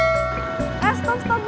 tati disuruh nyiram